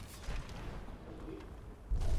benerd kushina ni waziri wa mambo ya nje wa ufaransa